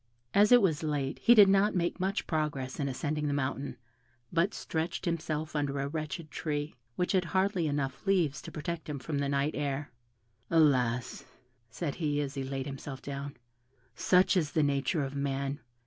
As it was late, he did not make much progress in ascending the mountain, but stretched himself under a wretched tree, which had hardly enough leaves to protect him from the night air. "Alas!" said he, as he laid himself down, "such is the nature of man.